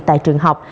tại trường học